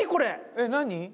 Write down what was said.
えっ何？